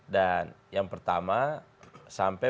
dan yang pertama sampai